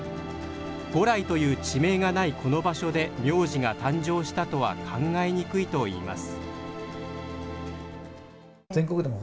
五来という地名がないこの場所で名字が誕生したとは考えにくいといいます。